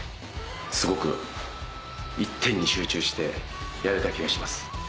すごく一点に集中してやれた気がします。